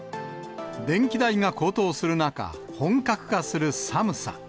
電気代が高騰する中、本格化する寒さ。